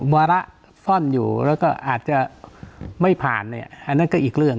วาระซ่อนอยู่แล้วก็อาจจะไม่ผ่านเนี่ยอันนั้นก็อีกเรื่อง